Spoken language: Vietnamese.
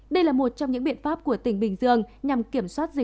đây là một trong những biện pháp của tỉnh bình dương nhằm kiểm soát dịch